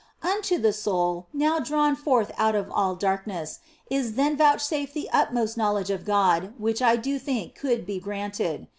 Unto the soul (now drawn forth out of all darkness) is then vouchsafed the utmost knowledge of God which I do think could be granted.